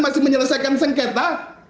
masih menyelesaikan sengketa